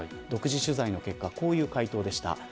独自取材の結果こういう回答でした。